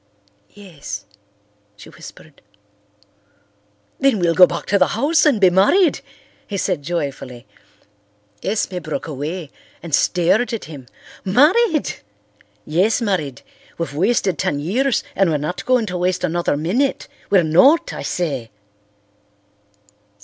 "Yes," she whispered. "Then we'll go back to the house and be married," he said joyfully. Esme broke away and stared at him. "Married!" "Yes, married. We've wasted ten years and we're not going to waste another minute. We're not, I say."